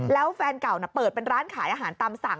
แล้วแฟนเก่าเปิดเป็นร้านขายอาหารตามสั่ง